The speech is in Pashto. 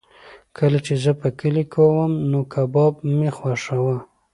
کله چې زه په کلي کې وم نو کباب مې خوښاوه.